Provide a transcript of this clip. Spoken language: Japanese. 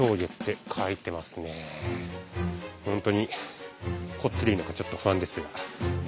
本当にこっちでいいのかちょっと不安ですが。